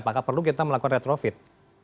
apakah perlu kita melakukan retrofit